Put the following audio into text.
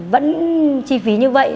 vẫn chi phí như vậy